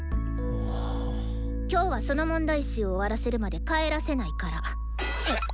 今日はその問題集終わらせるまで帰らせないから。